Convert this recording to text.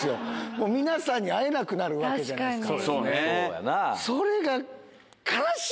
もう皆さんに会えなくなるわけじゃないですか。